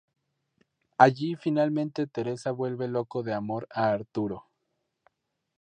Allí finalmente Teresa vuelve loco de amor a Arturo.